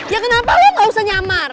ya kenapa kok gak usah nyamar